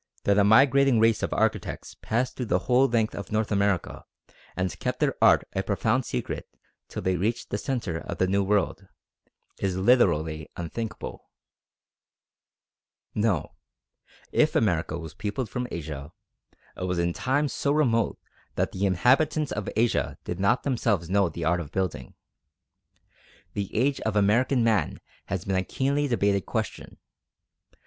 That a migrating race of architects passed through the whole length of North America and kept their art a profound secret till they reached the centre of the New World, is literally unthinkable. No; if America was peopled from Asia, it was in times so remote that the inhabitants of Asia did not themselves know the art of building. The age of American Man has been a keenly debated question.